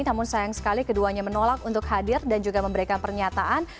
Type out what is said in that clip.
namun sayang sekali keduanya menolak untuk hadir dan juga memberikan pernyataan